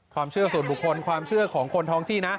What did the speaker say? ความเชื่อส่วนบุคคลความเชื่อของคนท้องที่นะ